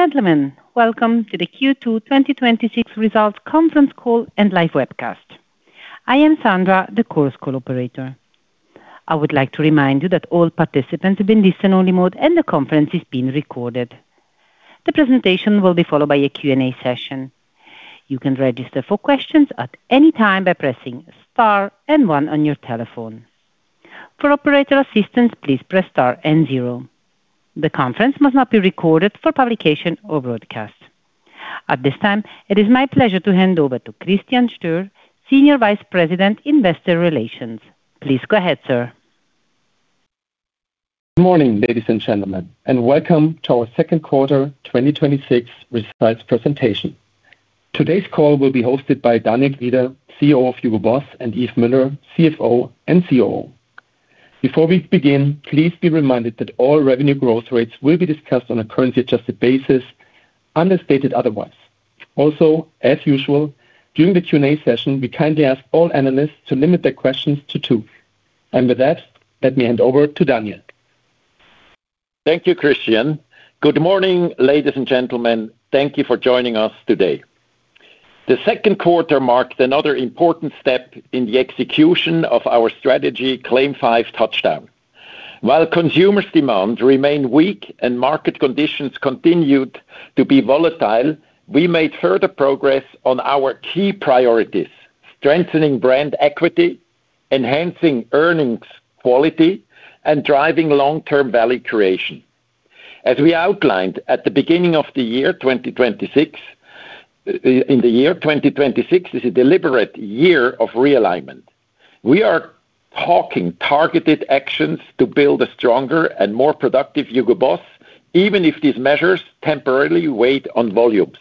Ladies and gentlemen, welcome to the Q2 2026 results conference call and live webcast. I am Sandra, the Chorus Call Operator. I would like to remind you that all participants have been listen-only mode and the conference is being recorded. The presentation will be followed by a Q&A session. You can register for questions at any time by pressing Star and One on your telephone. For operator assistance, please press star and zero. The conference must not be recorded for publication or broadcast. At this time, it is my pleasure to hand over to Christian Stöhr, Senior Vice President, Investor Relations. Please go ahead, sir. Morning, ladies and gentlemen. Welcome to our second quarter 2026 results presentation. Today's call will be hosted by Daniel Grieder, CEO HUGO BOSS, and Yves Müller, CFO and COO. Before we begin, please be reminded that all revenue growth rates will be discussed on a currency-adjusted basis, unless stated otherwise. Also, as usual, during the Q&A session, we kindly ask all analysts to limit their questions to two. With that, let me hand over to Daniel. Thank you, Christian. Good morning, ladies and gentlemen. Thank you for joining us today. The second quarter marked another important step in the execution of our strategy, CLAIM 5 TOUCHDOWN. While consumer demand remained weak and market conditions continued to be volatile, we made further progress on our key priorities: strengthening brand equity, enhancing earnings quality, and driving long-term value creation. As we outlined at the beginning of the year, 2026 is a deliberate year of realignment. We are taking targeted actions to build a stronger and more HUGO BOSS, even if these measures temporarily weigh on volumes.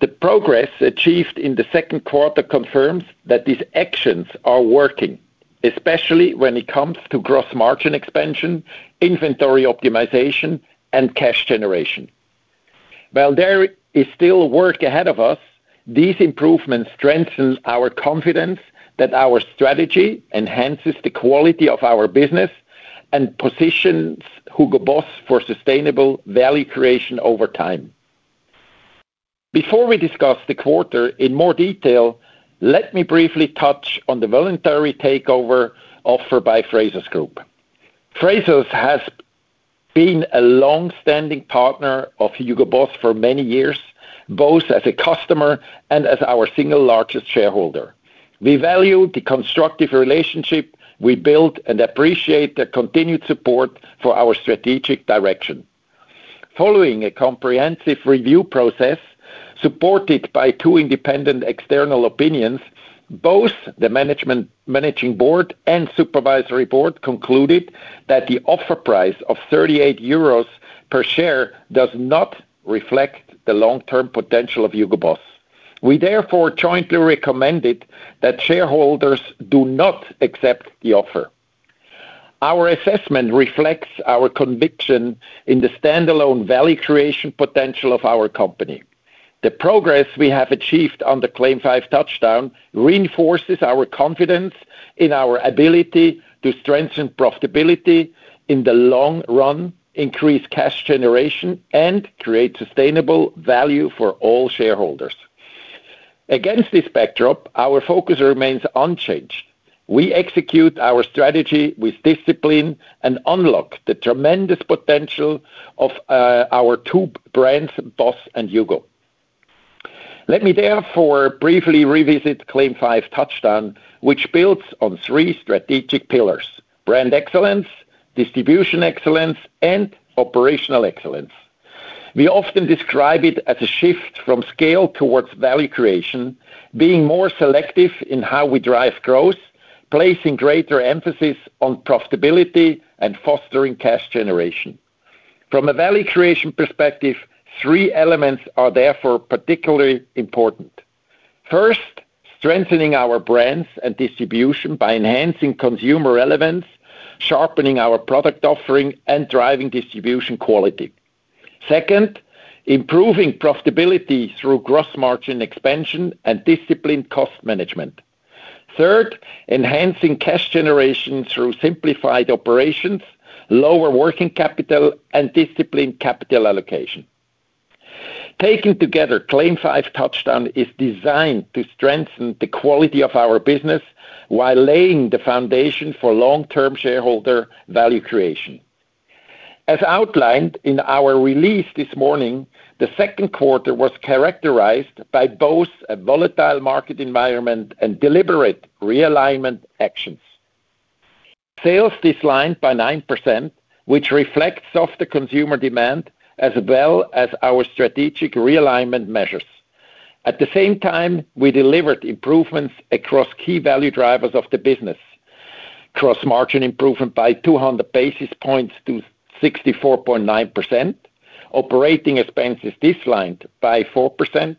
The progress achieved in the second quarter confirms that these actions are working, especially when it comes to gross margin expansion, inventory optimization, and cash generation. While there is still work ahead of us, these improvements strengthen our confidence that our strategy enhances the quality of our business and HUGO BOSS for sustainable value creation over time. Before we discuss the quarter in more detail, let me briefly touch on the voluntary takeover offer by Frasers Group. Frasers has been a longstanding partner HUGO BOSS for many years, both as a customer and as our single largest shareholder. We value the constructive relationship we built and appreciate the continued support for our strategic direction. Following a comprehensive review process, supported by two independent external opinions, both the managing board and supervisory board concluded that the offer price of 38 euros per share does not reflect the long-term potential HUGO BOSS. we therefore jointly recommended that shareholders do not accept the offer. Our assessment reflects our conviction in the standalone value creation potential of our company. The progress we have achieved on the CLAIM 5 TOUCHDOWN reinforces our confidence in our ability to strengthen profitability in the long run, increase cash generation, and create sustainable value for all shareholders. Against this backdrop, our focus remains unchanged. We execute our strategy with discipline and unlock the tremendous potential of our two brands, BOSS and HUGO. Let me therefore briefly revisit CLAIM 5 TOUCHDOWN, which builds on three strategic pillars: brand excellence, distribution excellence, and operational excellence. We often describe it as a shift from scale towards value creation, being more selective in how we drive growth, placing greater emphasis on profitability, and fostering cash generation. From a value creation perspective, three elements are therefore particularly important. First, strengthening our brands and distribution by enhancing consumer relevance, sharpening our product offering, and driving distribution quality. Second, improving profitability through gross margin expansion and disciplined cost management. Third, enhancing cash generation through simplified operations, lower working capital, and disciplined capital allocation. Taken together, CLAIM 5 TOUCHDOWN is designed to strengthen the quality of our business while laying the foundation for long-term shareholder value creation. As outlined in our release this morning, the second quarter was characterized by both a volatile market environment and deliberate realignment actions. Sales declined by 9%, which reflects softer consumer demand as well as our strategic realignment measures. At the same time, we delivered improvements across key value drivers of the business. Gross margin improvement by 200 basis points to 64.9%. Operating expenses declined by 4%,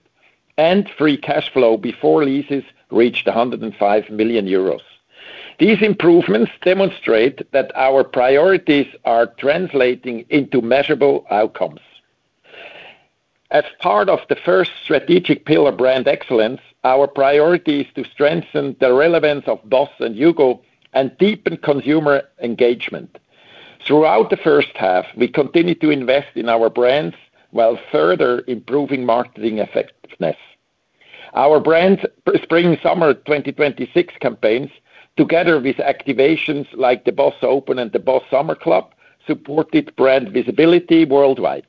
and free cash flow before leases reached 105 million euros. These improvements demonstrate that our priorities are translating into measurable outcomes. As part of the first strategic pillar, brand excellence, our priority is to strengthen the relevance of BOSS and HUGO and deepen consumer engagement. Throughout the first half, we continued to invest in our brands while further improving marketing effectiveness. Our brands spring summer 2026 campaigns, together with activations like the BOSS Open and the BOSS Summer Club, supported brand visibility worldwide.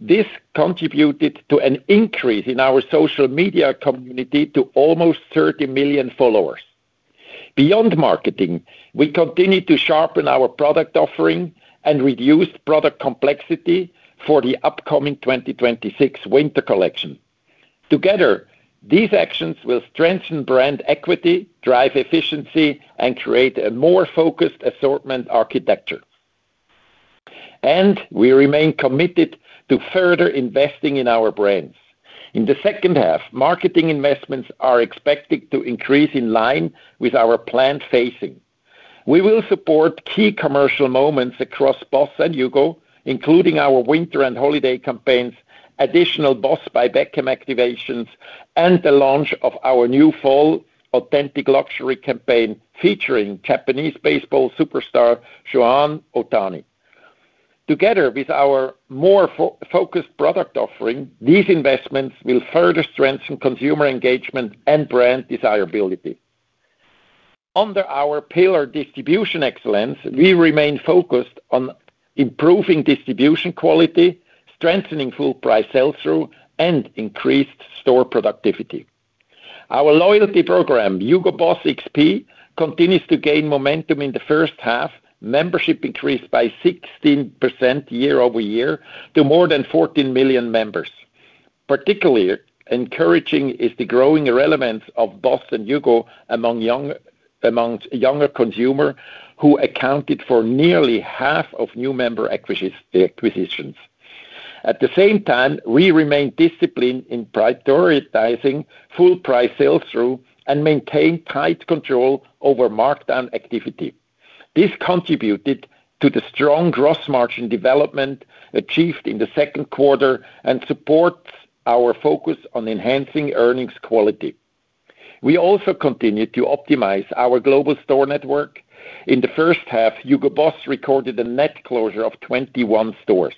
This contributed to an increase in our social media community to almost 30 million followers. Beyond marketing, we continued to sharpen our product offering and reduce product complexity for the upcoming 2026 winter collection. Together, these actions will strengthen brand equity, drive efficiency, and create a more focused assortment architecture. We remain committed to further investing in our brands. In the second half, marketing investments are expected to increase in line with our planned phasing. We will support key commercial moments across BOSS and HUGO, including our winter and holiday campaigns, additional BOSS BY BECKHAM activations, and the launch of our new fall authentic luxury campaign, featuring Japanese baseball superstar Shohei Ohtani. Together with our more focused product offering, these investments will further strengthen consumer engagement and brand desirability. Under our pillar distribution excellence, we remain focused on improving distribution quality, strengthening full price sell-through, and increased store productivity. Our loyalty HUGO BOSS xp, continues to gain momentum in the first half. Membership increased by 16% year-over-year to more than 14 million members. Particularly encouraging is the growing relevance of BOSS and HUGO amongst younger consumer, who accounted for nearly half of new member acquisitions. At the same time, we remain disciplined in prioritizing full price sell-through and maintain tight control over markdown activity. This contributed to the strong gross margin development achieved in the second quarter and supports our focus on enhancing earnings quality. We also continued to optimize our global store network. In the first HUGO BOSS recorded a net closure of 21 stores.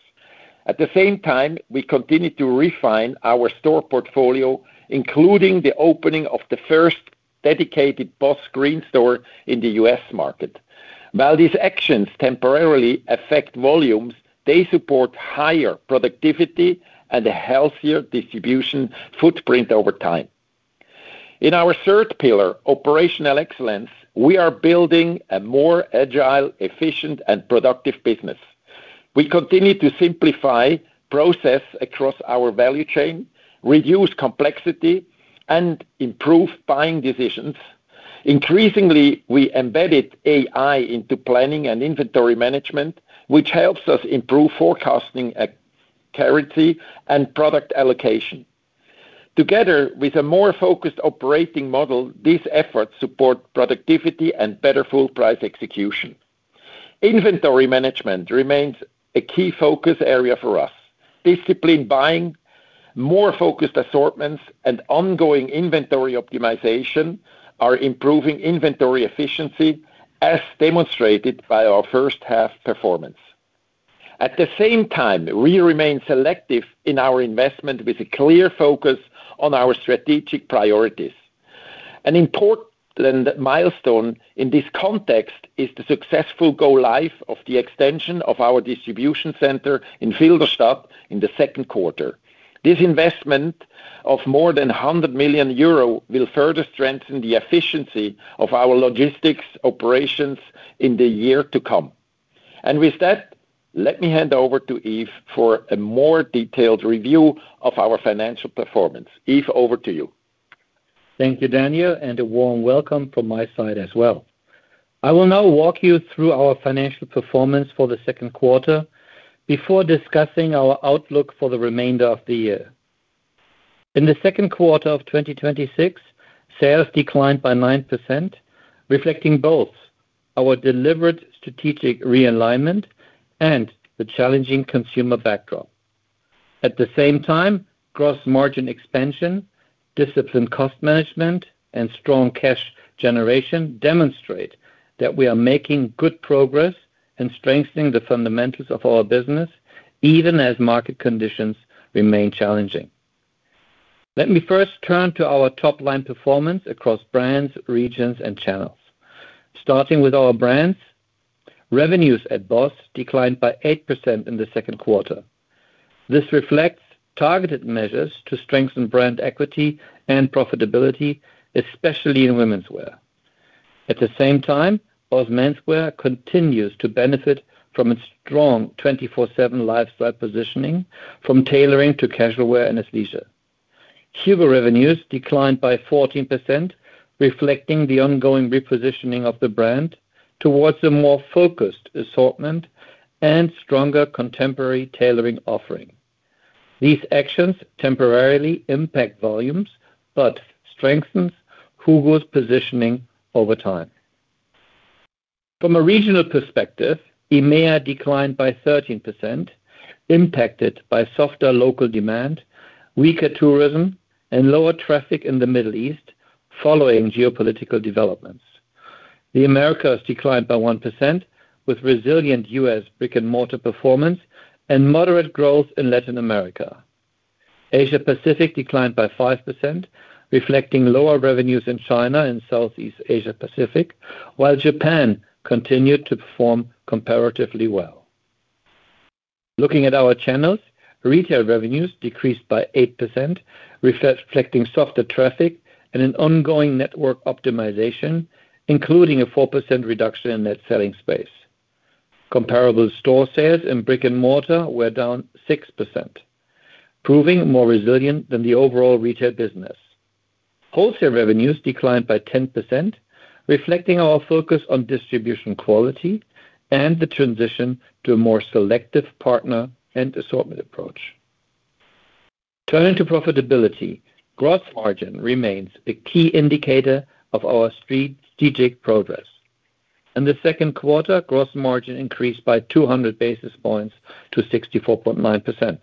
At the same time, we continued to refine our store portfolio, including the opening of the first dedicated BOSS Green store in the U.S. market. While these actions temporarily affect volumes, they support higher productivity and a healthier distribution footprint over time. In our third pillar, operational excellence, we are building a more agile, efficient, and productive business. We continue to simplify process across our value chain, reduce complexity, and improve buying decisions. Increasingly, we embedded AI into planning and inventory management, which helps us improve forecasting accuracy and product allocation. Together with a more focused operating model, these efforts support productivity and better full price execution. Inventory management remains a key focus area for us basically in buying more focused assortments and ongoing inventory optimization are improving inventory efficiency, as demonstrated by our first half performance. At the same time, we remain selective in our investment with a clear focus on our strategic priorities. An important milestone in this context is the successful go live of the extension of our distribution center in field of stock in the second quarter. This investment of more than 100 million euro will further strength in the efficiency of our logistics operations in the year to come, and with that, let me hand over to Yves. For a more detailed review of our financial performance, Yves over to you. Thank you, Daniel, and a warm welcome from my side as well. I will now walk you through our financial performance for the second quarter before discussing our outlook for the remainder of the year. In the second quarter of 2026, sales declined by 9%, reflecting both our deliberate strategic realignment and the challenging consumer backdrop. At the same time, gross margin expansion, disciplined cost management, and strong cash generation demonstrate that we are making good progress in strengthening the fundamentals of our business, even as market conditions remain challenging. let me first turn to our top-line performance across brands, regions, and channels. starting with our brands, revenues at BOSS declined by 8% in the second quarter. This reflects targeted measures to strengthen brand equity and profitability, especially in womenswear. At the same time, BOSS menswear continues to benefit from its strong 24/7 lifestyle positioning, from tailoring to casual wear and athleisure. HUGO revenues declined by 14%, reflecting the ongoing repositioning of the brand towards a more focused assortment and stronger contemporary tailoring offering. these actions temporarily impact volumes but strengthens HUGO's positioning over time. from a regional perspective, emea declined by 13%, impacted by softer local demand, weaker tourism, and lower traffic in the Middle East following geopolitical developments. The Americas declined by 1%, with resilient U.S. brick-and-mortar performance and moderate growth in Latin America. Asia Pacific declined by 5%, reflecting lower revenues in China and Southeast Asia Pacific, while Japan continued to perform comparatively well. Looking at our channels, retail revenues decreased by 8%, reflecting softer traffic and an ongoing network optimization, including a 4% reduction in net selling space. At the same time, retail revenues decreased by 8%, reflecting softer traffic and an ongoing network optimization, including a 4% reduction in net selling space. Comparable store sales in brick-and-mortar were down 6%, proving more resilient than the overall retail business. Wholesale revenues declined by 10%, reflecting our focus on distribution quality and the transition to a more selective partner and assortment approach. Turning to profitability, gross margin remains a key indicator of our strategic progress. In the second quarter, gross margin increased by 200 basis points to 64.9%.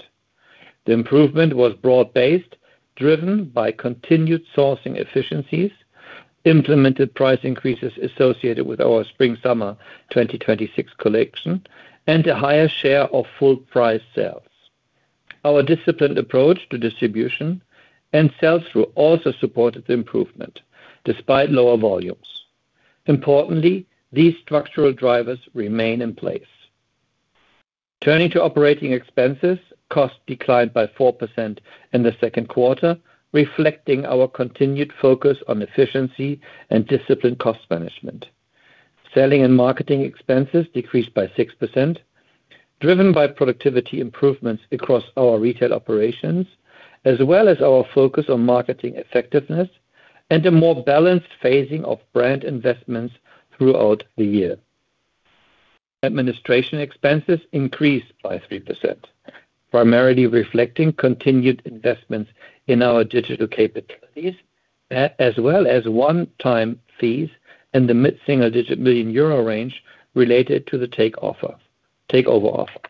The improvement was broad-based, driven by continued sourcing efficiencies, implemented price increases associated with our spring/summer 2026 collection, and a higher share of full price sales. Our disciplined approach to distribution and sales through also supported the improvement despite lower volumes. Importantly, these structural drivers remain in place. Turning to operating expenses, costs declined by 4% in the second quarter, reflecting our continued focus on efficiency and disciplined cost management. Selling and marketing expenses decreased by 6%, driven by productivity improvements across our retail operations as well as our focus on marketing effectiveness and a more balanced phasing of brand investments throughout the year. Administration expenses increased by 3%, primarily reflecting continued investments in our digital capabilities, as well as one-time fees in the mid-single-digit million euro range related to the takeover offer.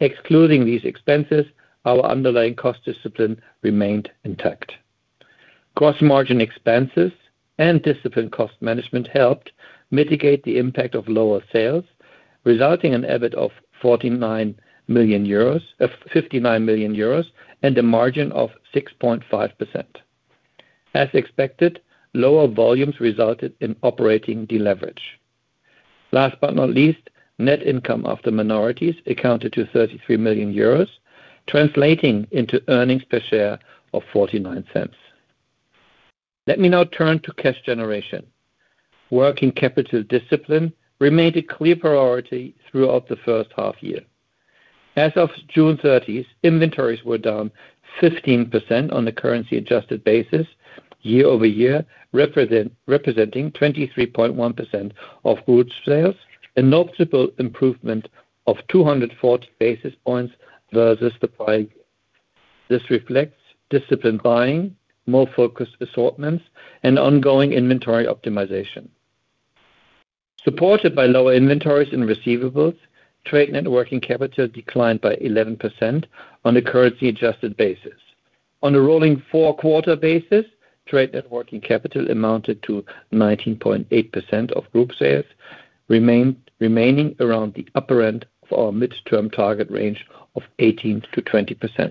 Excluding these expenses, our underlying cost discipline remained intact. Gross margin expenses and disciplined cost management helped mitigate the impact of lower sales, resulting in EBIT of 59 million euros and a margin of 6.5%. As expected, lower volumes resulted in operating deleverage. Last but not least, net income after minorities accounted to 33 million euros, translating into earnings per share of 0.49. Let me now turn to cash generation. Working capital discipline remained a clear priority throughout the first half year. As of June 30th, inventories were down 15% on a currency adjusted basis year-over-year, representing 23.1% of group sales, a notable improvement of 240 basis points versus the prior year. This reflects disciplined buying, more focused assortments, and ongoing inventory optimization. Supported by lower inventories and receivables, trade net working capital declined by 11% on a currency adjusted basis. On a rolling four-quarter basis, trade net working capital amounted to 19.8% of group sales, remaining around the upper end of our midterm target range of 18%-20%.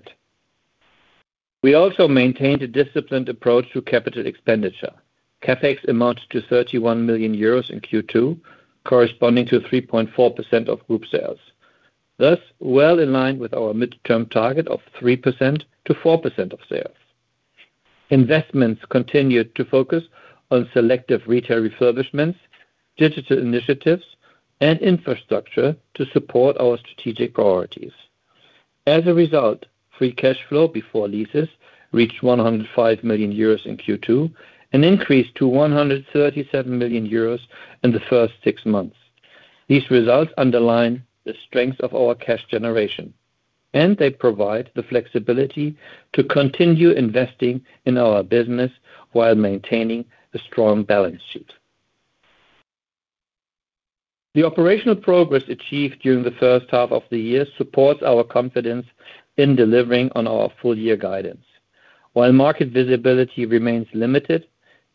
We also maintained a disciplined approach to capital expenditure. CapEx amounted to 31 million euros in Q2, corresponding to 3.4% of group sales, thus well in line with our midterm target of 3%-4% of sales. Investments continued to focus on selective retail refurbishments, digital initiatives, and infrastructure to support our strategic priorities. As a result, free cash flow before leases reached 105 million euros in Q2, an increase to 137 million euros in the first six months. These results underline the strength of our cash generation, and they provide the flexibility to continue investing in our business while maintaining a strong balance sheet. The operational progress achieved during the first half of the year supports our confidence in delivering on our full year guidance. While market visibility remains limited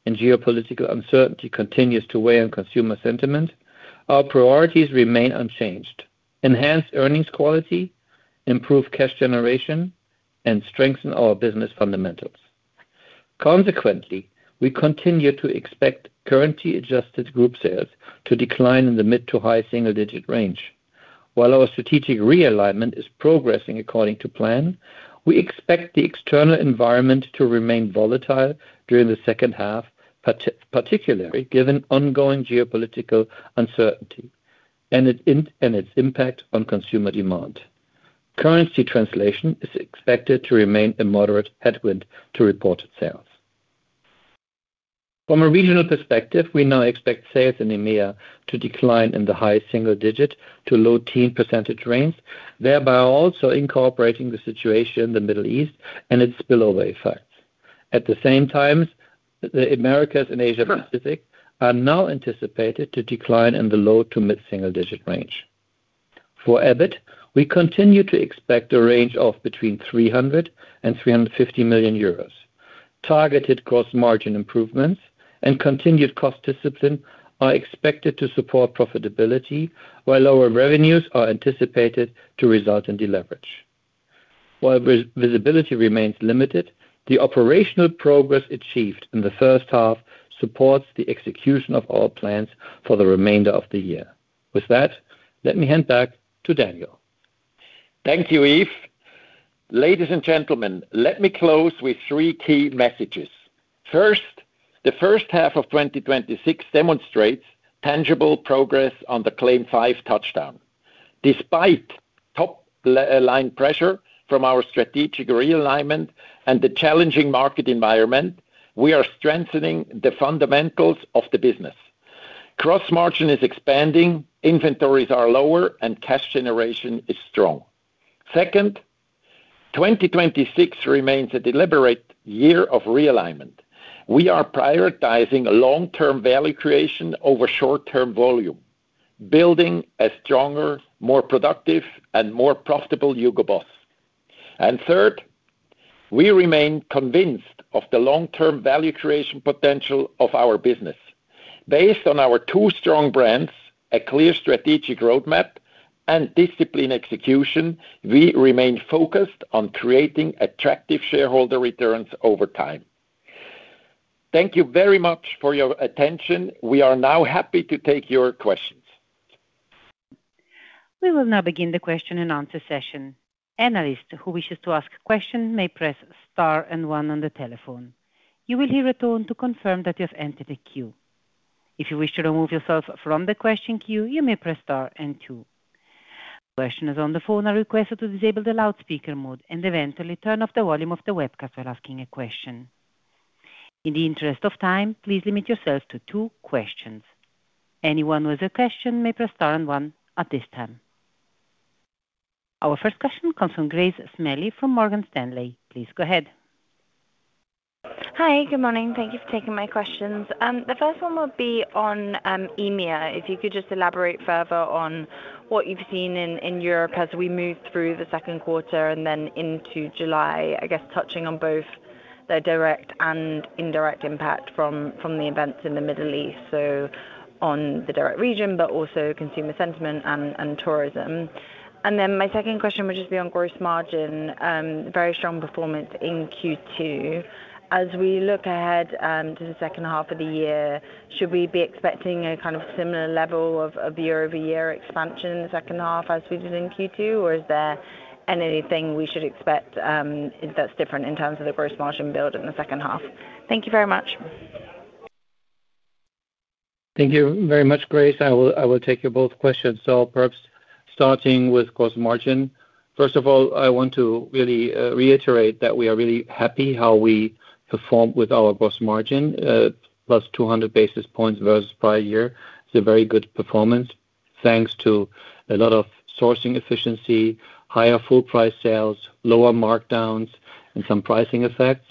and geopolitical uncertainty continues to weigh on consumer sentiment, our priorities remain unchanged: enhance earnings quality, improve cash generation, and strengthen our business fundamentals. Consequently, we continue to expect currency-adjusted group sales to decline in the mid to high single-digit range. While our strategic realignment is progressing according to plan, we expect the external environment to remain volatile during the second half, particularly given ongoing geopolitical uncertainty and its impact on consumer demand. Currency translation is expected to remain a moderate headwind to reported sales. From a regional perspective, we now expect sales in EMEA to decline in the high single-digit to low teen percenatge range, thereby also incorporating the situation in the Middle East and its spillover effects. At the same time, the Americas and Asia Pacific are now anticipated to decline in the low to mid-single digit range. For EBIT, we continue to expect a range of between 300 million euros and 350 million euros. Targeted gross margin improvements and continued cost discipline are expected to support profitability, while lower revenues are anticipated to result in deleverage. While visibility remains limited, the operational progress achieved in the first half supports the execution of our plans for the remainder of the year. With that, let me hand back to Daniel. Thank you, Yves. Ladies and gentlemen, let me close with three key messages. First, the first half of 2026 demonstrates tangible progress on the CLAIM 5 TOUCHDOWN. Despite top-line pressure from our strategic realignment and the challenging market environment, we are strengthening the fundamentals of the business. Gross margin is expanding, inventories are lower, and cash generation is strong. Second, 2026 remains a deliberate year of realignment. We are prioritizing long-term value creation over short-term volume, building a stronger, more productive, and more HUGO BOSS. third, we remain convinced of the long-term value creation potential of our business. Based on our two strong brands, a clear strategic roadmap, and disciplined execution, we remain focused on creating attractive shareholder returns over time. Thank you very much for your attention. We are now happy to take your questions. We will now begin the question and answer session. Analyst who wishes to ask a question may press star and one on the telephone. You will hear a tone to confirm that you have entered a queue. If you wish to remove yourself from the question queue, you may press star and two. Questioners on the phone are requested to disable the loudspeaker mode and eventually turn off the volume of the webcast while asking a question. In the interest of time, please limit yourself to two questions. Anyone with a question may press star and one at this time. Our first question comes from Grace Smalley from Morgan Stanley. Please go ahead. Hi. Good morning. Thank you for taking my questions. The first one will be on EMEA. If you could just elaborate further on what you've seen in Europe as we move through the second quarter and then into July, I guess touching on both the direct and indirect impact from the events in the Middle East, so on the direct region, but also consumer sentiment and tourism. Then my second question would just be on gross margin. Very strong performance in Q2. As we look ahead to the second half of the year, should we be expecting a similar level of year-over-year expansion in the second half as we did in Q2? Is there anything we should expect that's different in terms of the gross margin build in the second half? Thank you very much. Thank you very much, Grace. I will take your both questions. Perhaps starting with gross margin. First of all, I want to really reiterate that we are really happy how we performed with our gross margin. 200 basis points versus prior year. It's a very good performance, thanks to a lot of sourcing efficiency, higher full price sales, lower markdowns, and some pricing effects.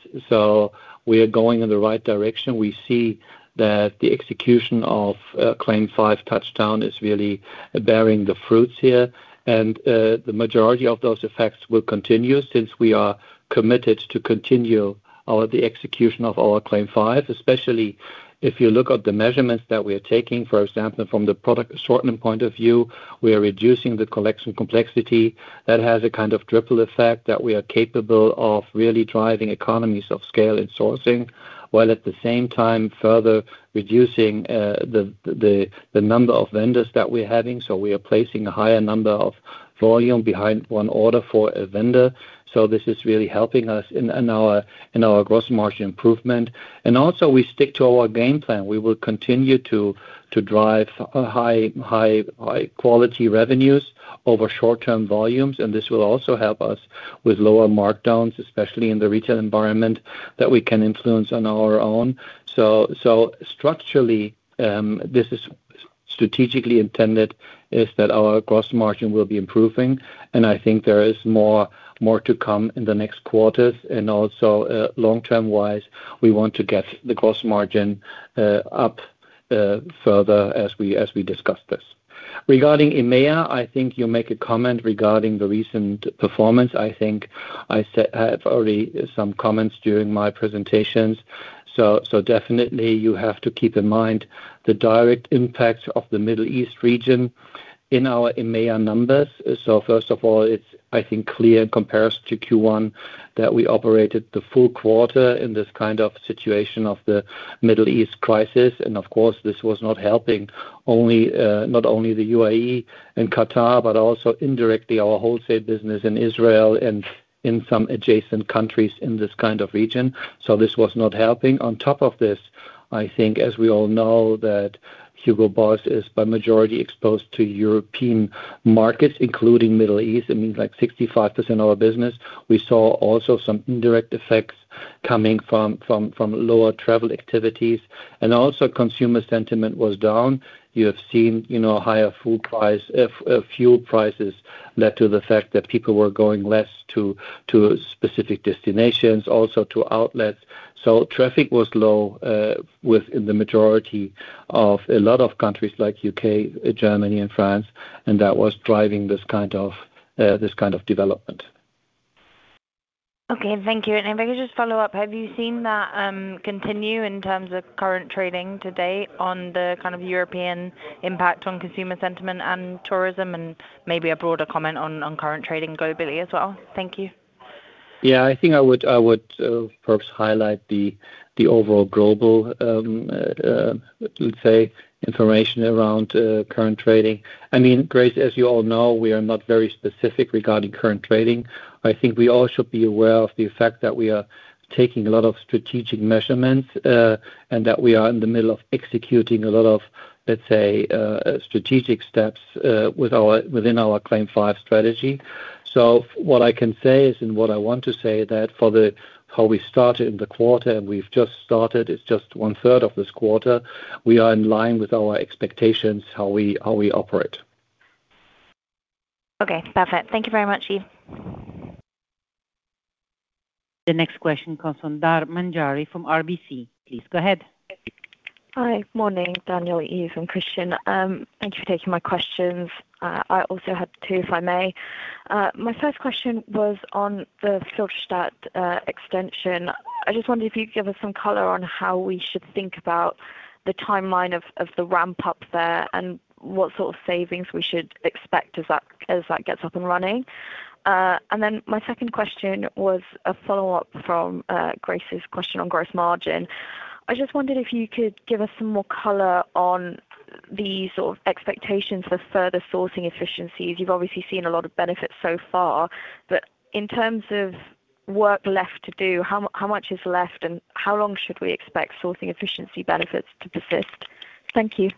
We are going in the right direction. We see that the execution of CLAIM 5 TOUCHDOWN is really bearing the fruits here. The majority of those effects will continue since we are committed to continue the execution of our CLAIM 5, especially if you look at the measurements that we are taking. For example, from the product assortment point of view, we are reducing the collection complexity that has a kind of triple effect that we are capable of really driving economies of scale and sourcing, while at the same time further reducing the number of vendors that we're having. We are placing a higher number of volume behind one order for a vendor. This is really helping us in our gross margin improvement. Also we stick to our game plan. We will continue to drive high quality revenues over short-term volumes, and this will also help us with lower markdowns, especially in the retail environment that we can influence on our own. Structurally, this is strategically intended is that our gross margin will be improving, and I think there is more to come in the next quarters. Also long-term wise, we want to get the gross margin up further as we discuss this. Regarding EMEA, I think you make a comment regarding the recent performance. I think I have already some comments during my presentations. Definitely, you have to keep in mind the direct impact of the Middle East region in our EMEA numbers. First of all, it's, I think, clear in comparison to Q1 that we operated the full quarter in this kind of situation of the Middle East crisis. Of course, this was not helping not only the UAE and Qatar, but also indirectly our wholesale business in Israel and in some adjacent countries in this kind of region. This was not helping. On top of this, I think, as we all know, HUGO BOSS is by majority exposed to European markets, including Middle East. It means like 65% of our business. We saw also some indirect effects coming from lower travel activities. Also consumer sentiment was down. You have seen higher fuel prices led to the fact that people were going less to specific destinations, also to outlets. Traffic was low within the majority of a lot of countries like U.K., Germany and France, that was driving this kind of development. Okay, thank you. If I could just follow up, have you seen that continue in terms of current trading to date on the European impact on consumer sentiment and tourism, maybe a broader comment on current trading globally as well? Thank you. Yeah, I think I would perhaps highlight the overall global, let's say, information around current trading. I mean Grace, as you all know, we are not very specific regarding current trading. I think we all should be aware of the fact that we are taking a lot of strategic measurements, that we are in the middle of executing a lot of, let's say, strategic steps within our CLAIM 5 strategy. What I can say is, and what I want to say, that for how we started in the quarter and we've just started, it's just one third of this quarter. We are in line with our expectations, how we operate. Okay, perfect. Thank you very much, Yves. The next question comes from Dhar Manjari from RBC. Please go ahead. Hi. Morning, Daniel, Yves, and Christian. Thank you for taking my questions. I also have two, if I may. My first question was on the Filderstadt extension. I just wondered if you'd give us some color on how we should think about the timeline of the ramp-up there, and what sort of savings we should expect as that gets up and running. My second question was a follow-up from Grace's question on gross margin. I just wondered if you could give us some more color on the expectations for further sourcing efficiencies. You've obviously seen a lot of benefits so far, but in terms of work left to do, how much is left, and how long should we expect sourcing efficiency benefits to persist? Thank you.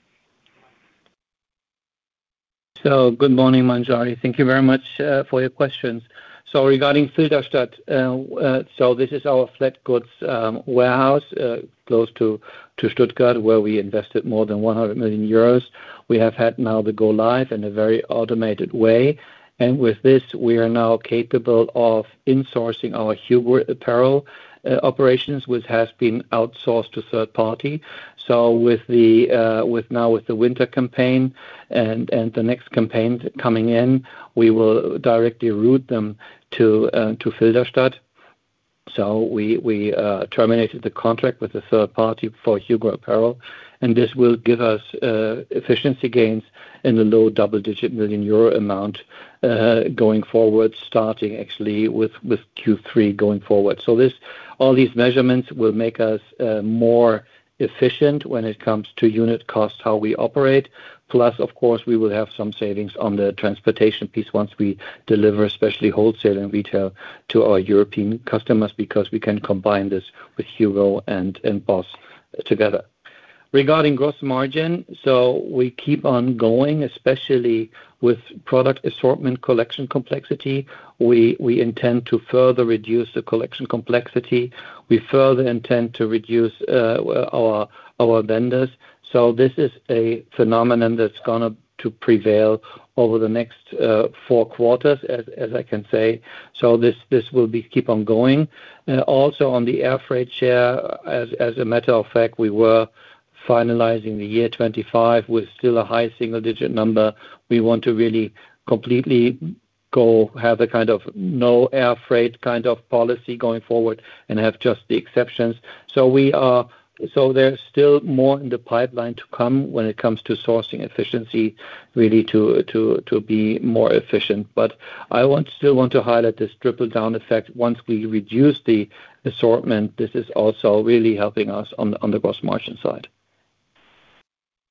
Good morning, Manjari. Thank you very much for your questions. Regarding Filderstadt, so this is our flat goods warehouse, close to Stuttgart, where we invested more than 100 million euros. We have had now the go live in a very automated way. With this, we are now capable of insourcing our HUGO apparel operations, which has been outsourced to third party. Now with the winter campaign and the next campaign coming in, we will directly route them to Filderstadt. We terminated the contract with the third party for HUGO apparel, and this will give us efficiency gains in the low double-digit million euro amount, going forward, starting actually with Q3 going forward. All these measurements will make us more efficient when it comes to unit cost, how we operate. Plus of course, we will have some savings on the transportation piece once we deliver, especially wholesale and retail to our European customers, because we can combine this with HUGO and BOSS together. Regarding gross margin, we keep on going, especially with product assortment collection complexity. We intend to further reduce the collection complexity. We further intend to reduce our vendors. This is a phenomenon that's going to prevail over the next four quarters, as I can say. This will keep on going. Also on the air freight share, as a matter of fact, we were finalizing the year 2025 with still a high single-digit number. We want to really completely go have the no air freight policy going forward and have just the exceptions. There's still more in the pipeline to come when it comes to sourcing efficiency, really to be more efficient. I still want to highlight this trickle-down effect. Once we reduce the assortment, this is also really helping us on the gross margin side.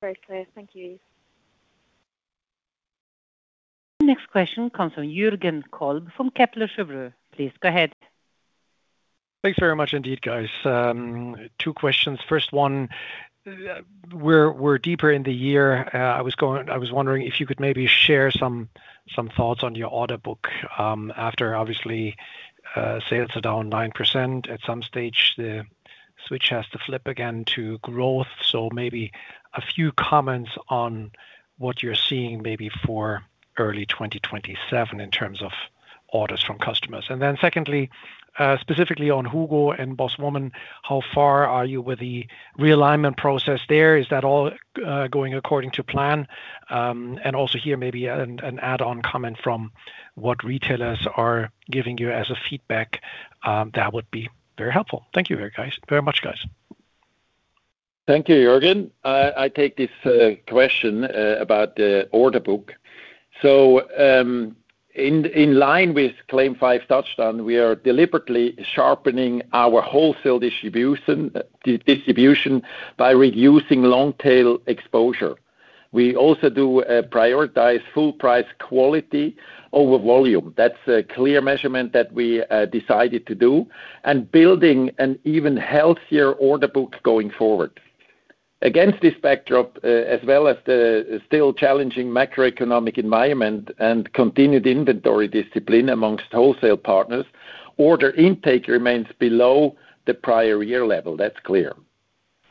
Very clear. Thank you, Yves. Next question comes from Jürgen Kolb from Kepler Cheuvreux. Please go ahead. Thanks very much indeed, guys. Two questions. First one, we're deeper in the year. I was wondering if you could maybe share some thoughts on your order book. After obviously, sales are down 9%, at some stage, the switch has to flip again to growth. Maybe a few comments on what you're seeing maybe for early 2027 in terms of orders from customers. Secondly, specifically on HUGO and BOSS woman, how far are you with the realignment process there? Is that all going according to plan? Also here, maybe an add-on comment from what retailers are giving you as a feedback. That would be very helpful. Thank you very much, guys. Thank you, Jürgen. I take this question about the order book. In line with CLAIM 5 TOUCHDOWN, we are deliberately sharpening our wholesale distribution by reducing long-tail exposure. We also do prioritize full price quality over volume. That's a clear measurement that we decided to do, and building an even healthier order book going forward. Against this backdrop, as well as the still challenging macroeconomic environment and continued inventory discipline amongst wholesale partners, order intake remains below the prior year level. That's clear.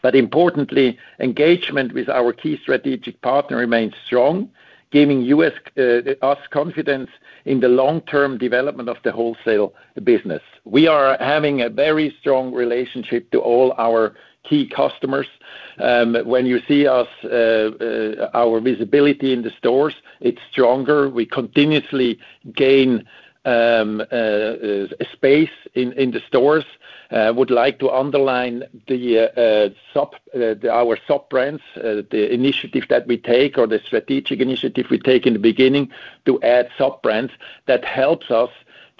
Importantly, engagement with our key strategic partner remains strong, giving us confidence in the long-term development of the wholesale business. We are having a very strong relationship to all our key customers. When you see our visibility in the stores, it's stronger. We continuously gain space in the stores. I would like to underline our sub-brands, the initiative that we take, or the strategic initiative we take in the beginning to add sub-brands that helps us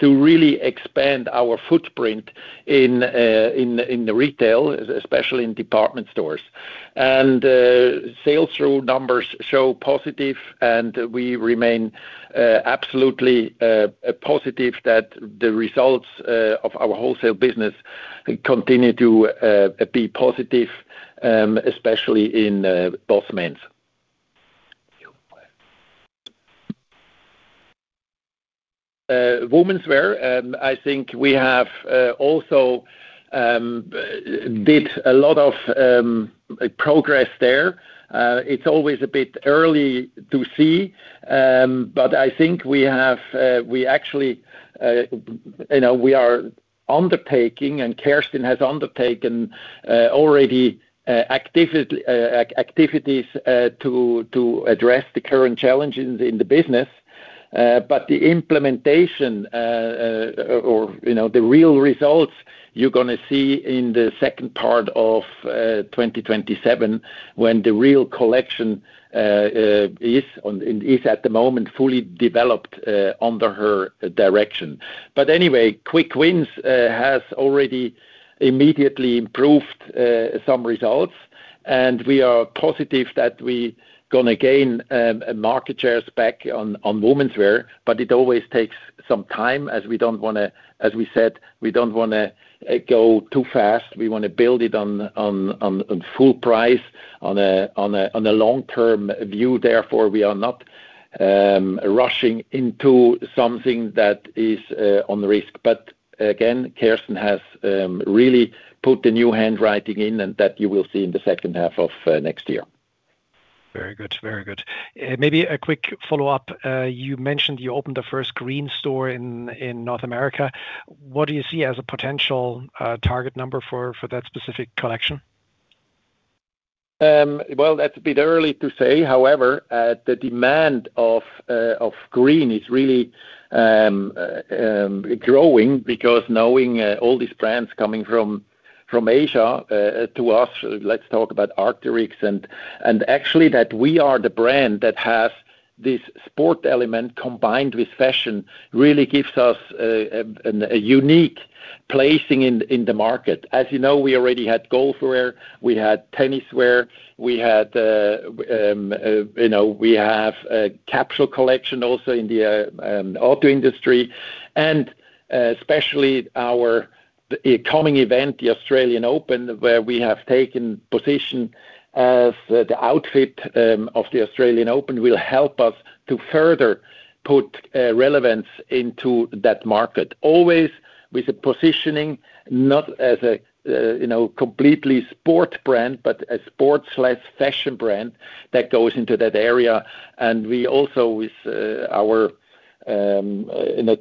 to really expand our footprint in the retail, especially in department stores. Sales through numbers show positive, and we remain absolutely positive that the results of our wholesale business continue to be positive, especially in BOSS Men's. Womenswear, I think we have also did a lot of progress there. It's always a bit early to see, but I think we are undertaking, and Kerstin has undertaken already activities to address the current challenges in the business. The implementation, or the real results you're going to see in the second part of 2027 when the real collection is at the moment, fully developed under her direction. Anyway, quick wins has already immediately improved some results, and we are positive that we're going to gain market shares back on womenswear, but it always takes some time, as we said, we don't want to go too fast. We want to build it on full price, on a long-term view. Therefore, we are not rushing into something that is on the risk. Again, Kerstin has really put the new handwriting in, and that you will see in the second half of next year. Very good. Maybe a quick follow-up. You mentioned you opened the first Green store in North America. What do you see as a potential target number for that specific collection? Well, that's a bit early to say. However, the demand of Green is really growing because knowing all these brands coming from Asia to us, let's talk about Arc'teryx, and actually that we are the brand that has this sport element combined with fashion really gives us a unique placing in the market. As you know, we already had golf wear, we had tennis wear, we have a capsule collection also in the auto industry, and especially our coming event, the Australian Open, where we have taken position as the outfit of the Australian Open will help us to further put relevance into that market. Always with a positioning, not as a completely sport brand, but a sport/fashion brand that goes into that area. We also with our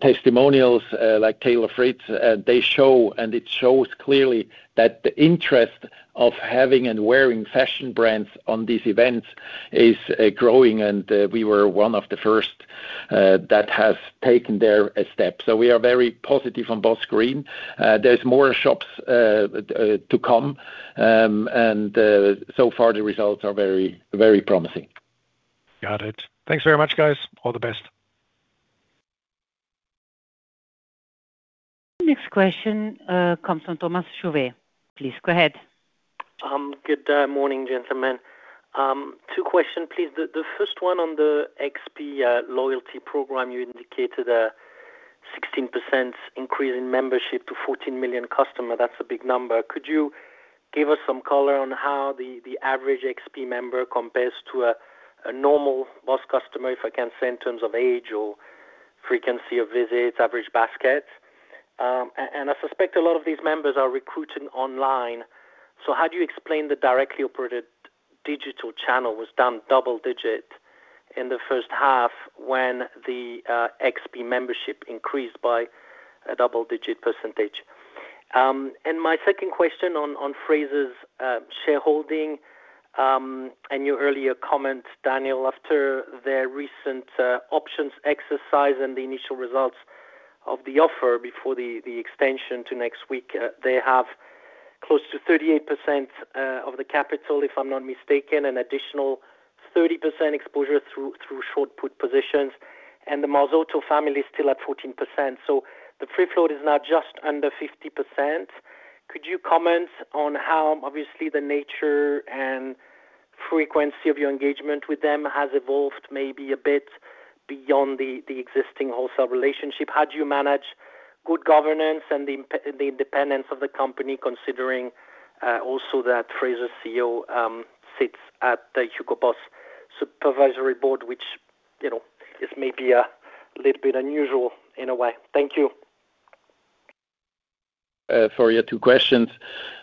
testimonials like Taylor Fritz, they show, and it shows clearly that the interest of having and wearing fashion brands on these events is growing, and we were one of the first that has taken there a step. We are very positive on BOSS Green. There's more shops to come. So far, the results are very promising. Got it. Thanks very much, guys. All the best. Next question comes from Thomas Chauvet. Please go ahead. Good morning, gentlemen. Two question, please. The first one on the XP loyalty program. You indicated a 16% increase in membership to 14 million customer. That's a big number. Could you give us some color on how the average XP member compares to a normal BOSS customer, if I can say, in terms of age or frequency of visits, average basket? I suspect a lot of these members are recruiting online. So how do you explain the directly operated digital channel was down double-digit in the first half when the XP membership increased by a double-digit percentage? My second question on Frasers' shareholding, and your earlier comment, Daniel, after their recent options exercise and the initial results of the offer before the extension to next week. They have close to 38% of the capital, if I'm not mistaken, an additional 30% exposure through short put positions, and the Marzotto family is still at 14%. The free float is now just under 50%. Could you comment on how obviously the nature and frequency of your engagement with them has evolved maybe a bit beyond the existing wholesale relationship? How do you manage good governance and the independence of the company, considering also that Frasers' CEO sits at HUGO BOSS supervisory board, which is maybe a little bit unusual in a way. Thank you. For your two questions,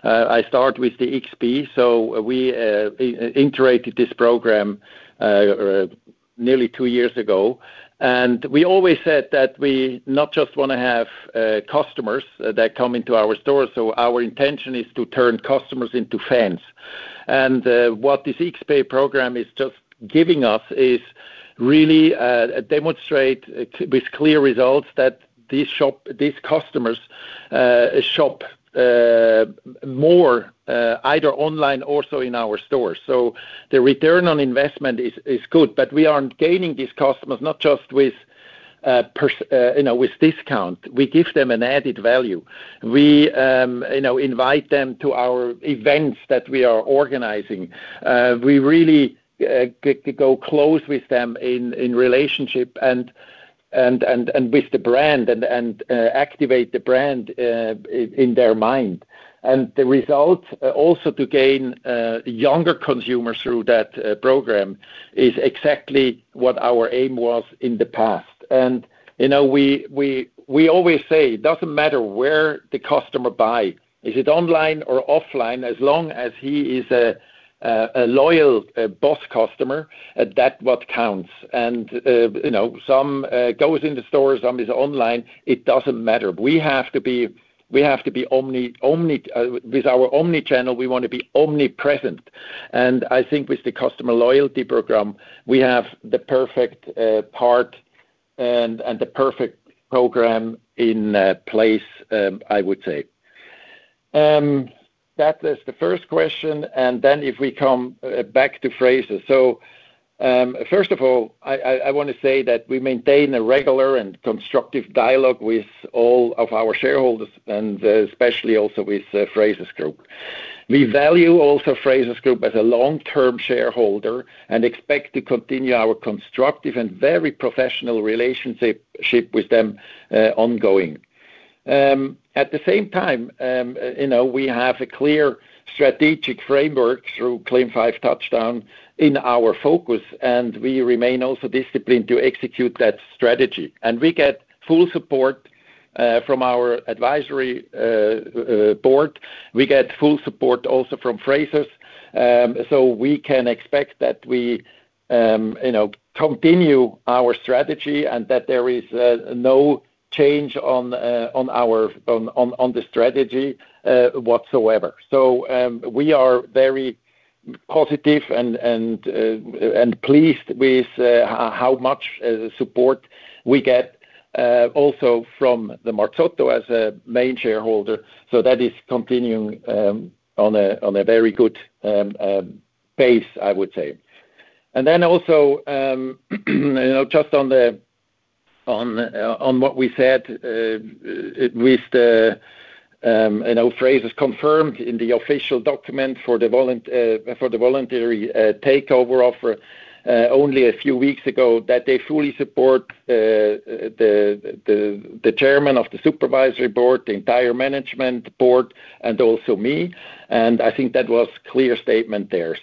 I start with the XP. We integrated this program nearly two years ago, we always said that we not just want to have customers that come into our store. Our intention is to turn customers into fans. What this XP program is just giving us is really demonstrate with clear results that these customers shop more, either online or also in our stores. The return on investment is good, we are gaining these customers not just with discount. We give them an added value. We invite them to our events that we are organizing. We really go close with them in relationship and with the brand and activate the brand in their mind. The result also to gain younger consumers through that program is exactly what our aim was in the past. We always say it doesn't matter where the customer buy. Is it online or offline, as long as he is a loyal BOSS customer, that's what counts. Some goes in the store, some is online, it doesn't matter. With our omni-channel, we want to be omnipresent. I think with the customer loyalty program, we have the perfect part and the perfect program in place, I would say. That is the first question. If we come back to Frasers. First of all, I want to say that we maintain a regular and constructive dialogue with all of our shareholders and especially also with Frasers Group. We value also Frasers Group as a long-term shareholder and expect to continue our constructive and very professional relationship with them ongoing. At the same time, we have a clear strategic framework through CLAIM 5 TOUCHDOWN in our focus, we remain also disciplined to execute that strategy. We get full support from our advisory board. We get full support also from Frasers. We can expect that we continue our strategy and that there is no change on the strategy whatsoever. We are very positive and pleased with how much support we get also from the Marzotto as a main shareholder. That is continuing on a very good pace, I would say. Also just on what we said with Frasers confirmed in the official document for the voluntary takeover offer only a few weeks ago, that they fully support the chairman of the supervisory board, the entire management board, and also me. I think that was clear statement there.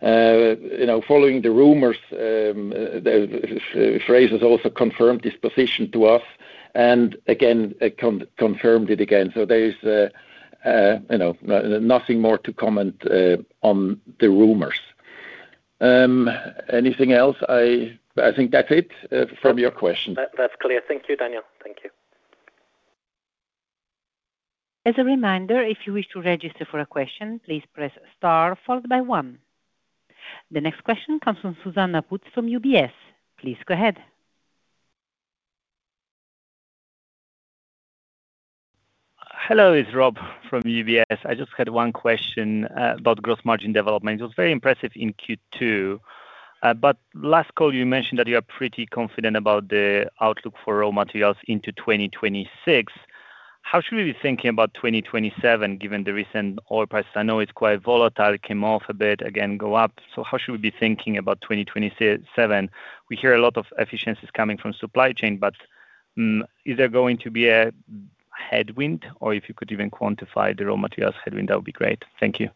Following the rumors, Frasers also confirmed this position to us and again, confirmed it again. There is nothing more to comment on the rumors. Anything else? I think that's it from your question. That's clear. Thank you, Daniel. Thank you. As a reminder, if you wish to register for a question, please press star followed by one. The next question comes from Zuzanna Pusz from UBS. Please go ahead. Hello, it's Rob from UBS. I just had one question about gross margin development. It was very impressive in Q2. Last call, you mentioned that you are pretty confident about the outlook for raw materials into 2026. How should we be thinking about 2027 given the recent oil prices? I know it's quite volatile. It came off a bit, again go up. How should we be thinking about 2027? We hear a lot of efficiencies coming from supply chain, but is there going to be a headwind? If you could even quantify the raw materials headwind, that would be great. Thank you.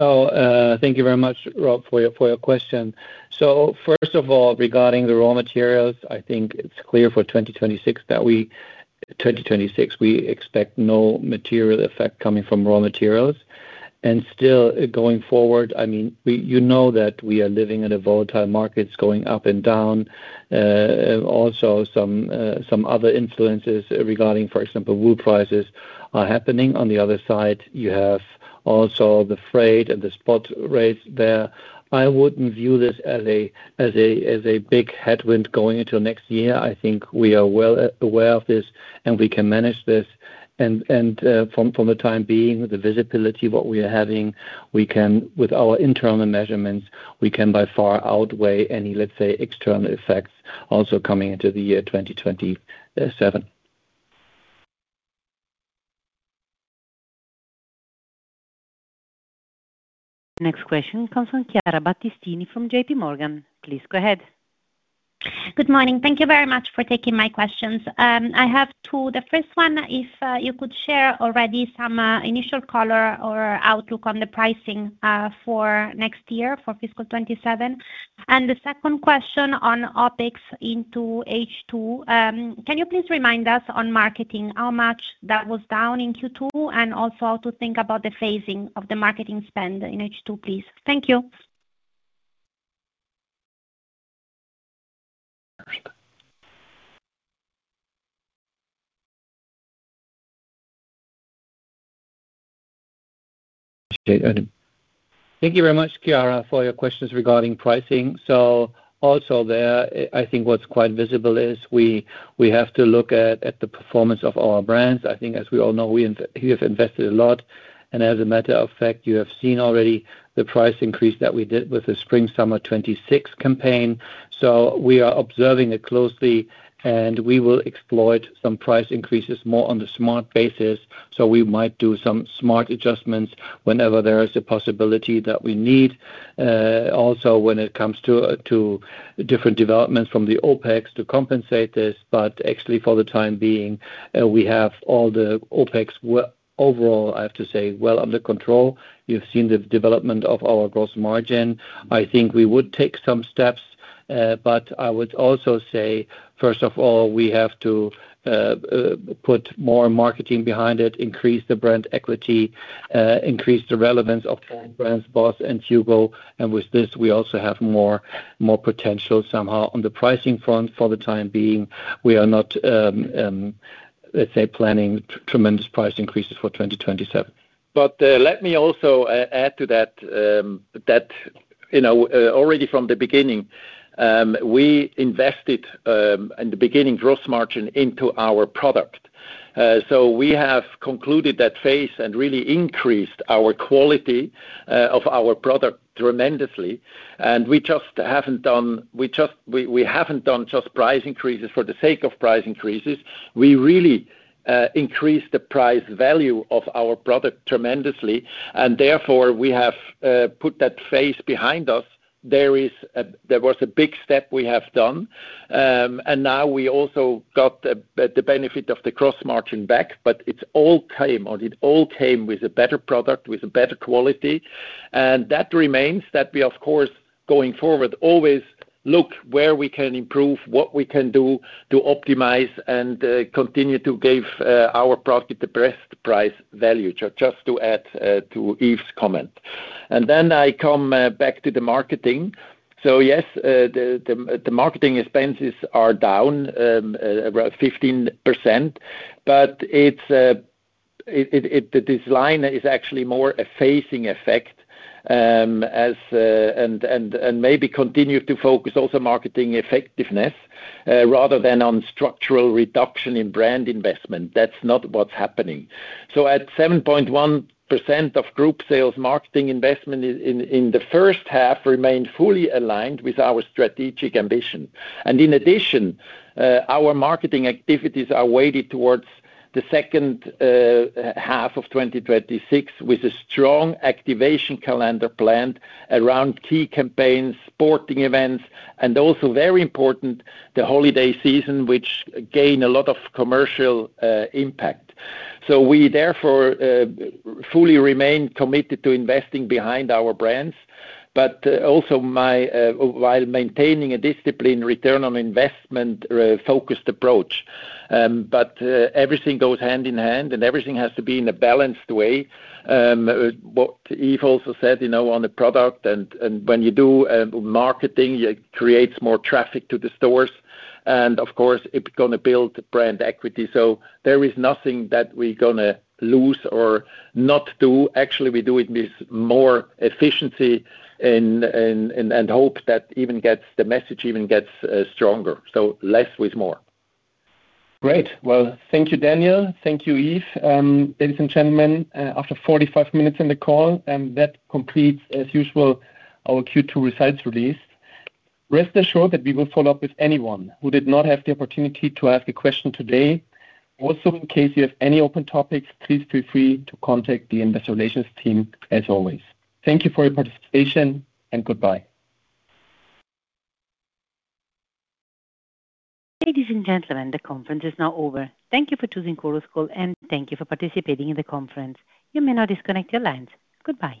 Thank you very much, Rob, for your question. First of all, regarding the raw materials, I think it's clear for 2026 we expect no material effect coming from raw materials. Still going forward, you know that we are living in volatile markets going up and down. Also some other influences regarding, for example, wool prices are happening. On the other side, you have also the freight and the spot rates there. I wouldn't view this as a big headwind going into next year. I think we are well aware of this, and we can manage this. From the time being, the visibility what we are having, with our internal measurements, we can by far outweigh any, let's say, external effects also coming into the year 2027. Next question comes from Chiara Battistini from JPMorgan. Please go ahead. Good morning. Thank you very much for taking my questions. I have two. The first one, if you could share already some initial color or outlook on the pricing for next year for fiscal 2027? The second question on OpEx into H2. Can you please remind us on marketing how much that was down in Q2, and also how to think about the phasing of the marketing spend in H2, please? Thank you. Thank you very much, Chiara, for your questions regarding pricing. Also there, I think what's quite visible is we have to look at the performance of our brands. I think as we all know, we have invested a lot. As a matter of fact, you have seen already the price increase that we did with the spring-summer 2026 campaign. We are observing it closely, and we will exploit some price increases more on the smart basis. We might do some smart adjustments whenever there is a possibility that we need. Also when it comes to different developments from the OpEx to compensate this. Actually, for the time being, we have all the OpEx overall, I have to say, well under control. You've seen the development of our gross margin. I think we would take some steps. I would also say, first of all, we have to put more marketing behind it, increase the brand equity, increase the relevance of core brands, BOSS and HUGO. With this, we also have more potential somehow on the pricing front. For the time being, we are not, let's say, planning tremendous price increases for 2027. Let me also add to that. Already from the beginning, we invested, in the beginning, gross margin into our product. We have concluded that phase and really increased our quality of our product tremendously. We haven't done just price increases for the sake of price increases. We really increased the price value of our product tremendously. Therefore, we have put that phase behind us. There was a big step we have done. Now we also got the benefit of the gross margin back. It all came with a better product, with a better quality. That remains that we, of course, going forward, always look where we can improve, what we can do to optimize and continue to give our product the best price value. Just to add to Yves' comment. Then I come back to the marketing. Yes, the marketing expenses are down about 15%. This line is actually more a phasing effect, maybe continue to focus also marketing effectiveness rather than on structural reduction in brand investment. That's not what's happening. At 7.1% of group sales marketing investment in the first half remained fully aligned with our strategic ambition. In addition, our marketing activities are weighted towards the second half of 2026, with a strong activation calendar planned around key campaigns, sporting events, also very important, the holiday season, which gain a lot of commercial impact. We therefore fully remain committed to investing behind our brands. Also while maintaining a disciplined return on investment-focused approach. Everything goes hand in hand. Everything has to be in a balanced way. What Yves also said on the product and when you do marketing, it creates more traffic to the stores. Of course, it's going to build brand equity. There is nothing that we're going to lose or not do. Actually, we do it with more efficiency and hope that the message even gets stronger. Less with more. Great. Well, thank you, Daniel. Thank you, Yves. Ladies and gentlemen, after 45 minutes in the call, that completes, as usual, our Q2 results release. Rest assured that we will follow up with anyone who did not have the opportunity to ask a question today. In case you have any open topics, please feel free to contact the investor relations team as always. Thank you for your participation, and goodbye. Ladies and gentlemen, the conference is now over. Thank you for choosing Chorus Call, and thank you for participating in the conference. You may now disconnect your lines. Goodbye.